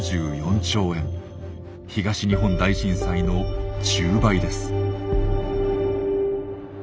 東日本大震災の１０倍です。